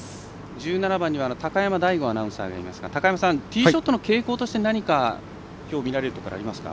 １７番には高山大吾アナウンサーがいますが高山さんティーショットの傾向としてきょうみられるところありますか。